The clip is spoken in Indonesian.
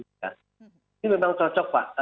ini memang cocok pak